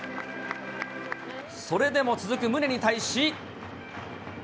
それでも続く宗に対し。